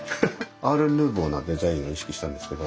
アールヌーボーなデザインを意識したんですけど。